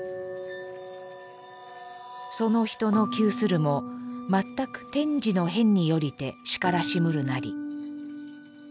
「其人の窮するも全く天時の変によりて然らしむるなり」。